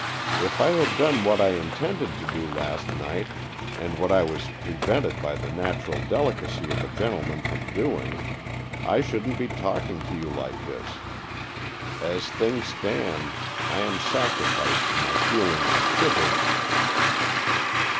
If I had done what I intended to do last night, and what I was prevented by the natural delicacy of a gentleman from doing, I shouldn't be tslk ing to you like this. As things stana, I am sacrificed to my feelings of chivalry."